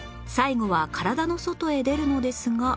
最後は体の外へ出るのですが